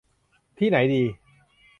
ที่ไหนดี